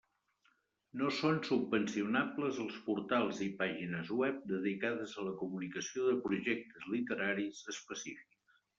No són subvencionables els portals i pàgines web dedicades a la comunicació de projectes literaris específics.